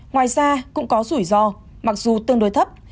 ngoài ra cũng có rủi ro mặc dù tương đối thấp